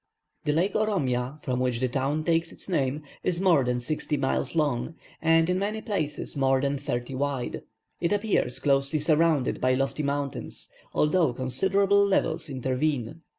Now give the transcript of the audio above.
The Lake Oromia, from which the town takes its name, is more than sixty miles long, and in many places more than thirty wide. It appears closely surrounded by lofty mountains, although considerable levels intervene.